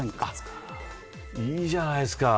いいじゃないですか。